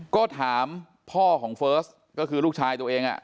ก็ถามพ่อของเฟิร์สก็คือลูกชายตัวเอง